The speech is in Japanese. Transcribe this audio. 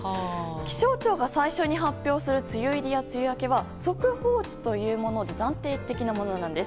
気象庁が最初に発表する梅雨入りや梅雨明けは速報値というもので暫定的なものなんです。